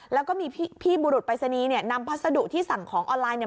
แล้วก็มีพี่บุรุษปรายศนีย์เนี่ยนำพัสดุที่สั่งของออนไลน์เนี่ย